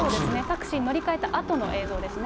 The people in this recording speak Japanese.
タクシーに乗り換えたあとの映像ですね。